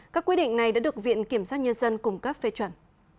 các quy định này đã được viện kiểm sát nhân dân cung cấp phê chuẩn